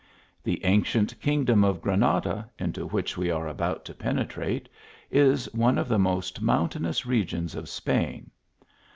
The ancient kingdom of Granada, into which \\e are about to penetrate, is one of the most moun tainous regions of Spain.